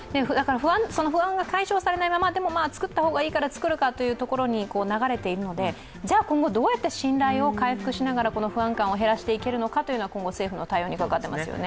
この不安が解消されないまま、でも作った方がいいから作るかというところに流れているので、じゃ今後、どうやって信頼を回復しながらこの不安感を減らしていけるのかは今後、政府の対応にかかってますよね。